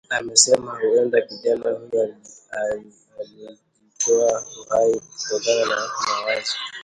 anasema huenda kijana huyo alijitoa uhai kutokana na mawazo